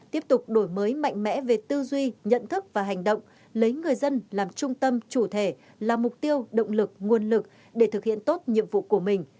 tiếp tục đổi mới mạnh mẽ về tư duy nhận thức và hành động lấy người dân làm trung tâm chủ thể là mục tiêu động lực nguồn lực để thực hiện tốt nhiệm vụ của mình